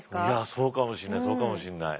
そうかもしんないそうかもしんない。